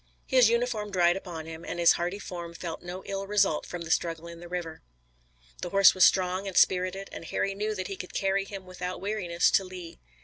His uniform dried upon him, and his hardy form felt no ill result from the struggle in the river. The horse was strong and spirited, and Harry knew that he could carry him without weariness to Lee.